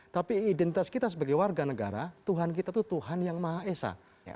tapi identitas kita sebagai warga negara tuhan kita itu tuhan yang maha esa